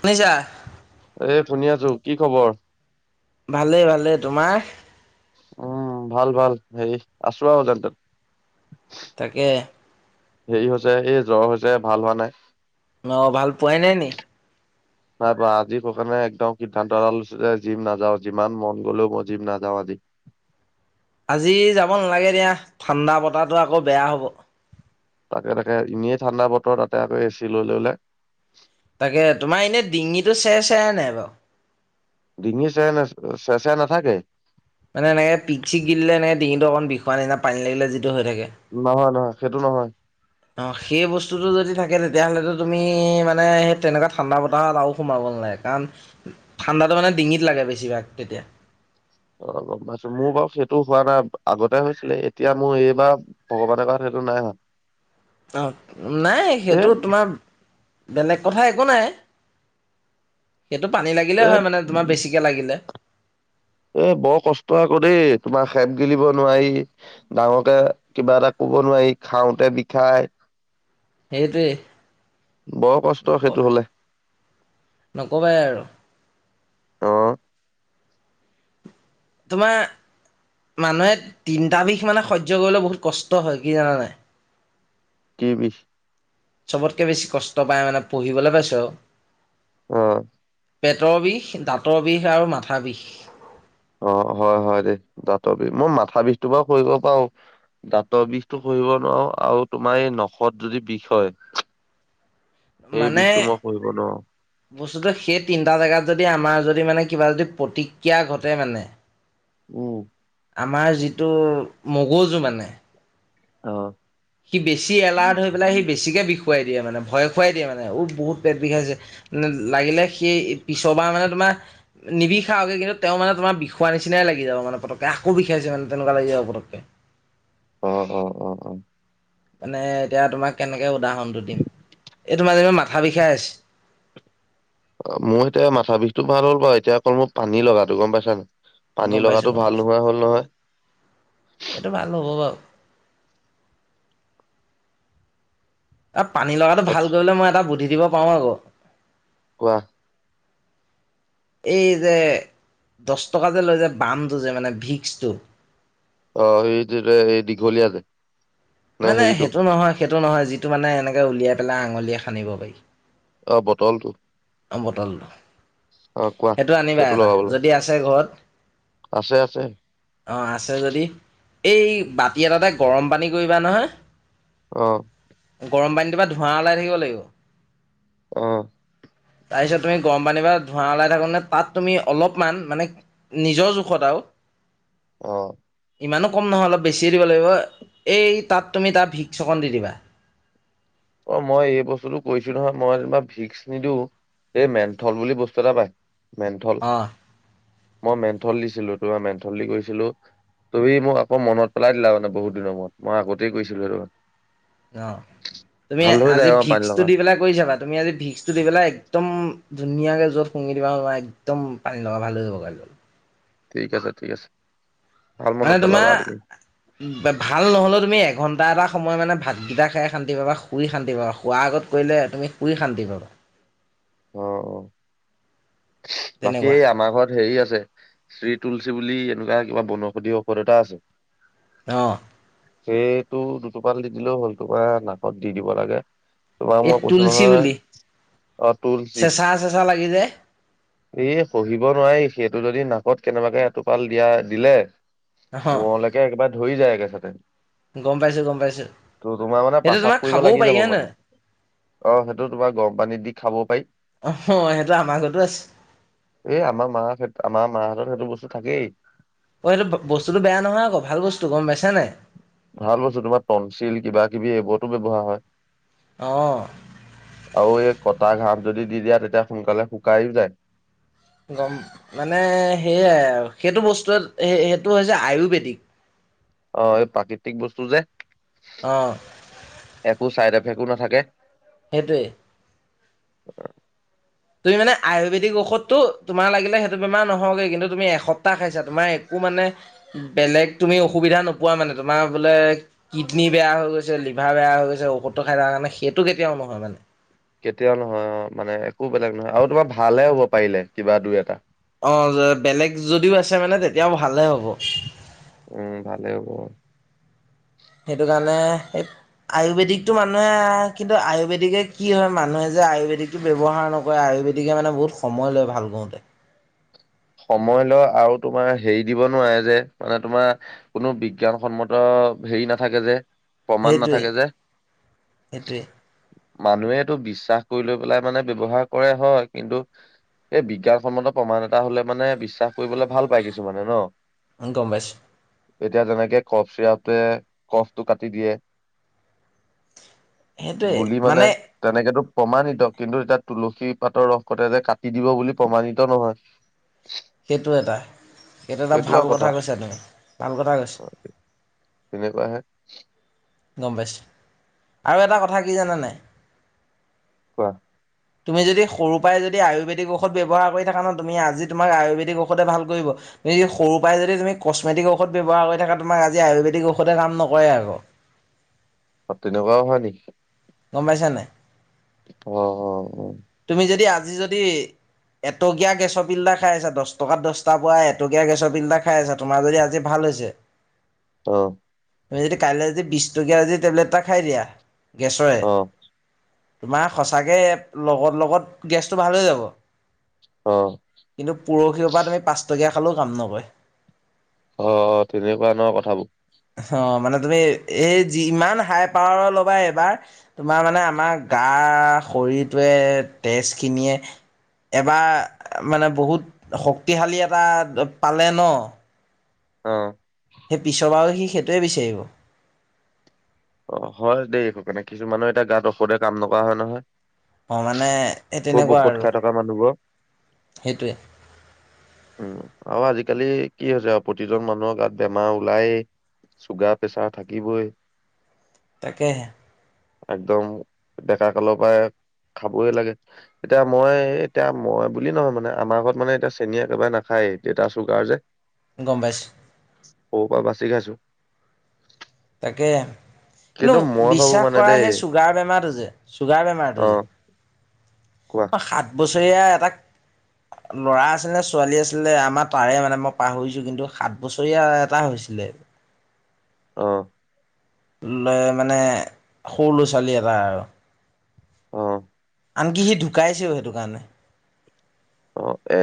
সোনিছা এ শুনি আছোঁ কি খবৰ ভালেই ভালেই তোমাৰ উম ভাল ভাল হেৰি আছোঁ তেনেতেনে তাকে হেৰি হৈছে এই জ্বৰ হৈছে ভাল হোৱা নাই অ ভাল পোৱাই নাই নি নাই পোৱা আজি স কাৰণে একদম সিদ্ধান্ত এৰা যে জিম নাযাও যিমান মন গলেও মই জিম নাযাও আজি আজি যাব নালাগে দিয়া ঠাণ্ডা বতাটো আকৌ বেয়া হ'ব তাকে তাকে এনেই ঠাণ্ডা বতৰ তাতে আকৌ এ চি লৈ ললে তাকে তোমাৰ এনেই ডিঙিটো চেৰ চেৰা নাই বাৰু ডিঙি চে ন চে চেৰাই নাথাকে মানে এনেকে পিক চিক গিলিলে এনেক ডিঙটো অকন বিখুৱ নিচীনা পানী লাগিলে যে নহয় নহয় সেইটো নহয় অ সেই বস্তুতটো যদি থাকে তেতিয়াহলেটো তুমি মানে সেই তেনেকুৱা ঠাণ্ডা বতাহত আৰু সোমাব নাই কাৰণ ঠাণ্ডাটো মানে ডিঙিত লাগে বেছিভাগ তেতিয়া অ গম পাইছো মোৰ বাৰু সেইটো হোৱা নাই আগতে হৈছিলে এতিয়া মোৰ এইবাৰ ভগৱানৰ কৰাত সেইটো নাই অ', নাই এ সেইটো তোমাৰ বেলেগ কথা একো নাই। সেইটো পানী লাগিলে এ হয় মানে, তোমাৰ বেছিকে লাগিলে। অ', বৰ কষ্ট আকৌ দেই, তোমাৰ খেপ গিলিব নোৱাৰি ডাঙৰকে কিবা এটা শুব নোৱাৰি খাওঁতে বিষাই। সেইটোৱেই। বৰ কষ্ট নক সেইটো হলে। নকবাই আৰু অ', তোমাৰ মানুহে তিনটা বিষ মানে সহ্য কৰিবলে বহুত কষ্ট হয় কি জানানাই? কি কৈছ চবতকে বেছি কষ্ট পায় মানে পঢ়িবলৈ পাইছোঁ আৰু অ পেটৰ বিষ দাঁতৰ বিষ আৰু মাথা বিষ অ হয় হয় দেই দাঁতৰ বিষ মই মাথা বিষটো সহিব পাৰো দাঁতৰ বিষটো স সহিব নোৱাৰো আৰু তোমাৰ এই নখত যদি বিষ হয় হয় সেই মানে বিষটো মই সহিব নোৱাৰো বস্তুটো সেই তিনটা জেগাত যদি আমাৰ যদি মানে কিবা যদি প্ৰতিক্ৰিয়া ঘটে মানে উম আমাৰ যিটো মগজু মানে অ', সি বেছি এলাৰ্ট হৈ পেলাই সি বেছিকে বিষ খুৱাই দিয়ে মানে ভয় খুৱাই দিয়ে মানে উ বহুত পেট বিষাইছে মানে লাগিলে সেই পিছৰবাৰ মানে তোমাৰ নিবিষাকে কিন্তু তেওঁ মানে তোমাৰ বিষোৱাৰ নিচিনাই লাগি যাব মানে পতককে আকৌ বিষাইছে মানে তেনেকুৱা লাগি যাব মানে পতককে। [inaudible] অ', অ', অ', অ', মানে এতিয়া তোমাক কেনেকে উদাহৰণটো দিম, এই তোমাৰ যেনিবা মাথা বিষাই আছে। [inaudible] অ', মোৰ এতিয়া মাথা বিষতটো ভাল হ'ল বাৰু এতিয়া অকল মোৰ পানী লগাটো গম পাইছানাই? পানী গম পাইছো লগাটো গম ভাল পাইছো নোহোৱা হ'ল নহয়। এইটো ভাল হ'ব বাৰু অ', পানী লগাটো ভাল কৰিবলে মই এটা বুদ্ধি দিব পাৰো আকৌ। কোৱা। [inaudible] এই যে দশ টকা যে লৈ যে বামটো যে মানে ভিক্সটো। অ', এই যে এই দীঘলীয়া যে। নে মানে হেৰিটো সেইটো নহয় সেইটো নহয় যিটো মানে এনেকে উলিয়াই পেলাই আঙুলিয়ে সানিব পাৰি। অ', বটলটো। অ', বটলটো অ কোৱা সেইটো আনিবা এটা লগাব লাগে যদি আছে ঘৰত আছে আছে অ', আছে যদি। এই বাতি এটাতে গৰম পানী কৰিবা নহয়। অ', গৰম পানীটো পৰাা ধোঁৱা ওলাই থাকিব লাগিব। অ', তাৰপিছত তুমি গৰম পানীৰ পৰা ধোঁৱা ওলাই থাকোঁতেই, তাত তুমি অলপমান মানে নিজৰ জোখত আৰু [inaudible] অ', ইমানো কম নহয় অলপ বেছি দিব লাগিব এই তাত তুমি তাত ভিক্স অকণ দি দিবা। অ', মই এই বস্তুটো কৰিছোঁ নহয়, মই যেনিবা ভিক্স নিদিওঁ। এই মেন্থল বুলি বস্তু এটা পায় মেন্থল। অ মই মেন্থল দিছিলো তোমাৰ মেন্থল দি কৰিছিলোঁ। তুমি মোক আকৌ মনত পেলাই দিলা মানে বহুত দিনৰ মূৰত মই আগতেই গৈছিলো এনেকুৱা অ তুমি আজি পানী ভিক্সটো লগা দি পেলাই কৰিছাবা তুমি আজি ভিক্সটো দি পেলাই একদম ধুনীয়াকে জত শুঙি দিবা ন একদম পানী লগা ভাল হৈ যাব ক ঠিক আছে ঠিক আছে ভাল মানে মনত পেলালা তুমি তোমাৰ ভাল নহলেও তুমি এক এঘণ্টা এটা সময় মানে ভাতকেইটা খাই শান্তি পাবা শুই শান্ত পাবা শোৱাৰ আগত কৰিলে তুমি শুই শান্তি পাবা অ বাকী তেনেকুৱা আমাৰ ঘৰত হেৰি আছে শ্ৰী তুলসী বুলি এনেকুৱা কিবা বনৌষধি ঔষধ এতা আছে। অ', সেইটো দুটোপাল দি দিলেও হ'ল তোমাৰ নাকত দি দিব লাগে। তোমাক এই মই কৈছো তুলসী নহয় বুলি অ তুলচী চেঁচা চেঁচা লাগি যায় এ পহিবব নোৱাৰি সেইটো যদি নাক কত কেনেবাকে এটোপাল দিয়া দিলে অ' মূৰলৈকে একেবাৰে ধৰি যায় একেচাতে। গম পাইছো গম পাইছো ত' তোমাৰ মানে সেইটো পেচাব তোমাৰ কৰিব খাবও লাগি পাৰি যাব হয় মানে। নহয় অ সেইটো তোমাৰ গৰম পানীত দি খাব অ' সেইটো আমাৰ ঘৰতো আছে এ আমাৰ মাহ আমাৰ মাহঁতৰ বস্তু থাকেই অ এইেইটো বস্তুতটো বেয়া নহয় আকৌ ভাল বস্তু গম পাইছ নাই ভাল পাইছো তোমাৰ তনঞ্চিল কিবা কিবি এইবোৰত ব্যবহাৰ হয় অ' আৰু এই কটা ঘাত যদি দি দিয়া তেতিয়া সোনকালে শুকাইও যায় গম মানে সেয়াই সেইটো বস্তুৱ সেইটো হৈছে আয়ুৰ্বেদিক অ এই প্ৰাকৃতিক বস্তু যে অ' একো চাইড এফেক একো নাথাকে সেইটোৱে তুমি মানে আয়ুৰ্বেদিক ঔষধতো তোমাৰ লাগিলে সেইটো বেম নহওঁগে কিন্তু তুমি এসপ্তাহ খাইছা তোমাৰো একো তোমাৰ মানে বেলেগ অসুবিধা নোপোৱা মানে কিডনী বেয়া হৈ গৈছে লিভাৰ কা বেয়া হৈ গৈছে ঔষধটো খাই তাৰ কাৰণে সেইটো কেতিয়াও নহয় মানে কেতিয়াও নহয় অ মানে একো বেলেগ নহয় আৰু তোমাৰ ভালে হ'ব পাৰিলে কিবা দুই এটা অ বেলেগ যদিও আছে মানে তেতিয়াও ভালে হ'ব উম ভালে হ'ব একেই আয়ুৰ্বেদিকটো মানুহে আৰু কিন্তু আয়ুৰ্বেদিকে কি হয় মানুহে যে আয়ুৰ্বেদিকতো ব্যয়ৱহাৰ নকৰে আয়ুৰ্বে গতিকে মানে বহুত সময় লয় ভাল কৰওঁতে সময় লয় আৰু তোমাৰ হেৰি দিব নোৱাৰে যে মানে তোমাৰ কোনো বিজ্ঞানসন্মত হেৰি নাথাকে যে প্ৰমাণ সেইটোৱে নাথাকে যে সেইটোৱে মানুহেটো বিশ্বাস কৰি লৈ পেলাই মানে ব্যৱহাৰ কৰে হয় কিন্তু এই বিজ্ঞানসন্মত প্ৰমাণ এটা হলে মানে বিশ্বাস কৰিবলে ভাল পায় কিছুমানে ন অঁ গম পাইছোঁ এতিয়া যেনেকে কফ চিৰাপটোৱে কফটো কাটি দিয়ে সেইটোৱে বুলিবলে মানে তেনেকেতো প্ৰমাণিত কিন্তু এতিয়া তুলসী পাতৰ ৰস কনে যে কাটি দিব বুলি প্ৰমাণিত নহয় সেইটো এটা সেইটো এটা ভাল কথা কৈছা তুমি ভাল কথা কৈছা তেনেকুৱা হে গম পাইছোঁ আৰু এটা কথা কি জানা নাই কোৱা তুমি যদি সৰু পৰাই যদি আয়ুৰ্বেদিক ঔষধ ব্যৱহাৰ কৰি থাকা ন তুমি আজি তোমাক আয়ুৰ্বেদিক ঔষধে ভাল কৰিব তুমিদি সৰু পৰাই যদি তুমি কসমেটিক ঔষধ ব্যৱহাৰ কৰি থাকা তোমাক আজি আয়ুৰ্বেদিক ঔষধে কাম নকৰে আৌ তেনেকুৱাও হয় নেকি গম পাইছ নাই আহ অ অ তুমি যদি [inaudible] এটকীয়া গেছৰ পিল্ডা খাই আছা দহ টকাত দহটা প এটকীয়া গেছৰ পিল্ধা খাই আছা তোমাৰ যদি আজি ভাল হৈছে [inaudible] অ তুমি যদি কাইলৈ যদি বিছ টকীয়া যদি টেবলেট এটা খাই দিয়া গেছৰে অ তোমাৰ সঁচাকে লগত লগত গেছটো ভাল হৈ যাব অ কিন্তু পৰহি পৰা তুমি পাঁচটকীয়া খালেও কাম নকয় অ অ তেনেকুৱা নহ কথাবোৰ অ মানে তুমি এই যি ইমান হাই পাৱাৰৰ ল'বা এইবাৰ তোমাৰ মানে আমাৰ গা শৰীৰটোৱে তেজ খিনিয়ে এবাৰ মানে বহুত শক্তিশালী এটা পালে ন অ সেই পিছৰ পৰাাৰ সি সেইটোৱে বিচাৰিব অ হয় দেই সকাৰণে কিছুমানে এতিয়া গাত ঔষধে কাম নকৰা হয় নহয় অ মানে এই খুব তেনেকুৱা ঔষধ আৰু খাই থকা মানুহবোৰৰ সেইটোৱে উম আৰু আজিকালি কি হৈছে আৰু প্ৰতিজন মানুহক গাত বেমাৰ ওলায় চুগাৰ প্ৰেছাৰ থাকিবই তাকে একদম ডা কলো পায় খাবই লাগে এতিয়া মই এতিয়া মই বুলি নহয় মানে আমাৰ ঘৰত মানে এতিয়া চেনীয়ে একবাই নাখায় দেত আছো গাৰ যে গম্বছ অ পৰা বাচি খাইছো তাকে কিন্তু মই ভাবো বিশ্বাস মানে কৰা দেই সেই চুগাৰ বেমাৰটো যে চুগাৰ অ বেমাৰটো যে কোৱা ম সাত বছৰীয়া এটটা ল'ৰা আছিলে ছোৱালী আছিলে আমাৰ তাৰে মানে মই পাহৰিছো কিন্তু সাত বছৰীয়া এটা হৈছিল লেে অ লৈ মানে সৰু ল'ৰা ছোৱালী এটা আৰু অ আনকি সি ঢুকাইছেও সেইটো কাৰণে অ এ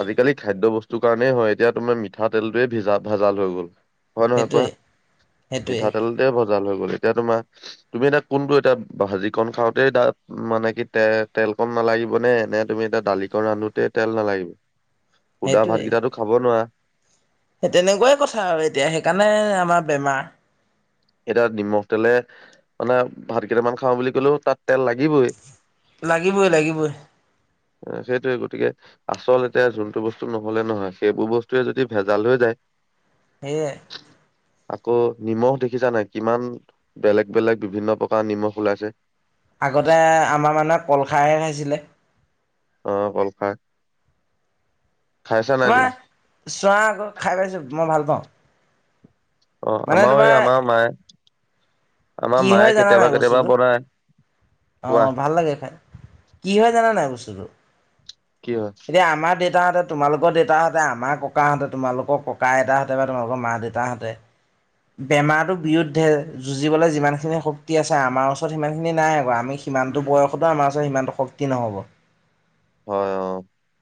আজিকালি খাদ্যয় বস্তু সটো কাৰণেই হয় এতিয়া তোমাৰ মিঠাতেলটোোৱে ভিজা ভাজাল হৈ গ'ল হয় নহয় কোৱা সেইটোৱে সেইটোৱে মিঠাতেলতে ভজাল হল এতিয়া তোমাৰ তুমি এটা কোনটো এতিয়া ভাজি কন খাওঁতেই তাত মানে কি তে তেল কন ন লাগিব নে এনে তুমি এটা তালি চিকন ৰান্ধোতে তেল নালাগিব সুদা সেইটোৱে ভাতকেইটো খাব নোৱাৰা। সেই তেনেকুৱাই কথা আৰু এতিয়া সেইকাৰণে আমাৰ বেমাৰ। এতিয়া নিমখ তেলে মানে ভাত কেইটামান খাওঁ বুলি কলেও তাত তেল লাগিবই। লাগিবই, লাগিবই। সেইটোয়ে গতিকে আচল এতিয়া যোনতটো বস্তু নহলে নহয় সেইবোৰ বস্তুৱয়ে যদি ভেজাল হৈ যায় [unintelligible] সয় আকৌ নিমখ দেখিছা নাই, কিমান বেলেগ বেলেগ বিভিন্ন প্ৰকাৰৰ নিমখ ওলাইছে। আগতে আমাৰ মানে কল খাৰহে খাইছিলে। অ' কলফা। তোমাৰ চোৱা আকৌ খাই পাইছো মই ভাল পাওঁ। অ' মানে আমাৰও এই তোমাৰ আমাৰ মায়ে আমাৰ কি মায়ে হয় জানা নাই কেতিয়াবা, কেতিয়াবা বস্তুটো বনায়। অ' ভাল লাগেফাই। কি হয় জানাানাই বস্তুটো? কি হয় এতিয়া আমাৰ দে দেউতাহঁতে, তোমালোকৰ দেউতাহঁতে, আমাৰ ককাহঁতে, তোমালোকৰ ককা এতাহঁতে বা তোমালোকৰ মা দেউতাহঁতে বেমাৰৰ বিৰুদ্ধে যুঁজিবলৈ যিমান খিনি শক্তি আছে, আমাৰ ওচৰত সিমান খিনি নাই আকৌ আমি সিমানটো বয়সতো আমাৰ আছে সিমানটো শক্তি নহ'ব। হয় অ'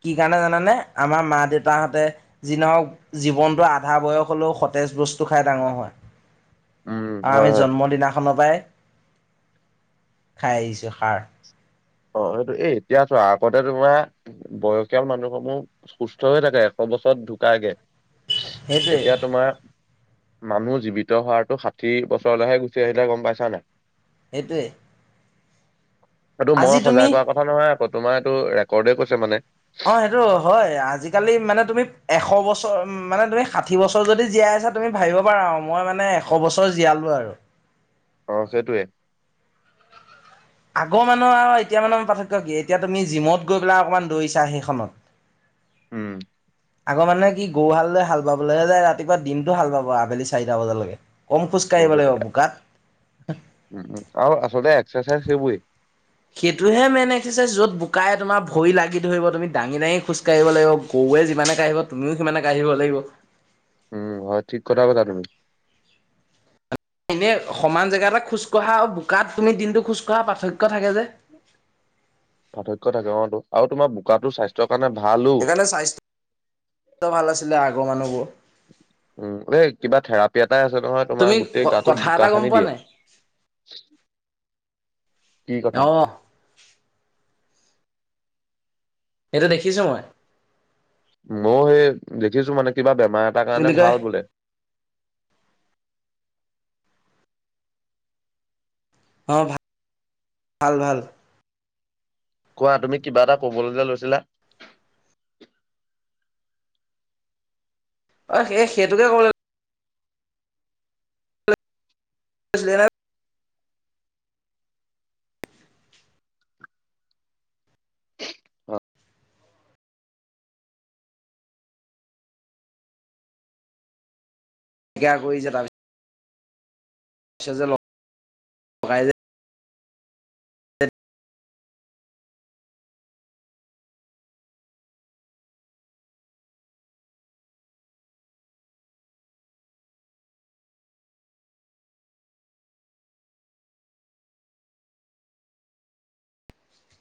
কি কাৰণে জানানে আমাৰ মা দেউতাহঁতে যি নহক জীৱনতো আধা বয়স হলেও সতেজ বস্তু খাই ডাঙৰ হয় উম আৰু হয় আমি হয় জন্ম দিনাখনৰ পৰাই খাই আহিছো সাৰ। অ' সেইটো এই এতিয়া তো আগতে তোমাৰ বয়সীয়াল মানুহ সমূহ সুস্থ হৈ থাকে, এখন বছৰত ঢুকগে, সেইটোৱে এতিয়া তোমাৰ মানুহ জীৱিত হোৱাতটো ষাঠি বছৰলৈহে গুচি আহিলে গম পাইছা নাই? সেইটোৱ এইটো মই সজাগ কৰা কথা নহয় আকৌ তোমাৰ এইটো ৰেকৰ্ডে কৈছে মানে অ' সেইটো হয় আজিকালি মানে তুমি এশ বছৰ মানে তুমি ষাঠি বছৰ যদি জীয়াই আছা তুমি ভাবিব পাৰা মই মানে এশ বছৰ জীয়ালো আৰু আহ, সেইটোৱে। আগৰ মানুহ আৰু এতিয়া মানে পাৰ্থক্য কি? এতিয়া তুমি জিমত গৈ পেলাই অকণমান দৌৰিছা সেইখনত উম, আকৌ মানে কি গৰুহালৈ হাল বাবলৈ যায় ৰাতিপুৱা দিনটো হাল পাব আবেলি চাৰিটা বজালৈকে। কম খোজ উ কাঢ়িব আৰু লাগিব আচলতে বোকাত এক্াৰচাইজ সেইব সেইটোহে মেইন এক্সাৰচাইজ যত বোকাই তোমাৰ ভৰি লাগি ধৰি তুমিাঙি দাঙি খোজকাঢ়িব লাগিব, গৰু তৱে যিমানে কাঢ়িব তুমিও সিমানে কাঢ়িব লাগিব। উম, হয় ঠিক কৰাাব ত তুমি। এনে সমান জেগা এতে খোজ কঢ়া বোকাত তুমি দিনটো খোজ কঢ়া পাৰ্থক্্য পাৰ্থক্্য থাকে অতো আৰু তোমাৰ বোকাতো স্বাস্থ্্য সেইকাৰণে স্বাস্থ্য ভাল আছিলে আগৰ মানুহবোৰ। উ, এই কিবা থেৰাপি এটাই আছে নহয় তোমাৰ তুমি গোটেই গাটোত কথা বোকা এটা গম খান্দি পোৱা দিয়ে। নাই কি কথা? অ' এইটো দেখিছোঁ মই। মই সেই দেখিছো মানে কিবা বেমাৰ এটাৰ কি বুলি কাৰণে কয় ভাল বোলে। অ' ভাল, ভাল, ভাল কোৱা তুমি কিবা এটা কবলীয়া লৈছিলা। অ স সেইটোকে কল পচ দেনা কৰি যে তাৰপিছপি যে